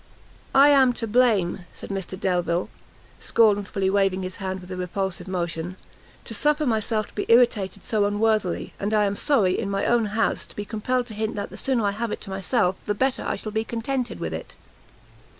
"I am to blame," said Mr Delvile, scornfully waving his hand with a repulsive motion, "to suffer myself to be irritated so unworthily; and I am sorry, in my own house, to be compelled to hint that the sooner I have it to myself, the better I shall be contented with it."